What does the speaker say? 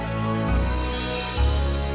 karena tidak bisa bertawab di sampul